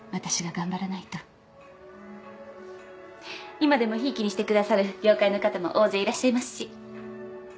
今でもひいきにしてくださる業界の方も大勢いらっしゃいますし。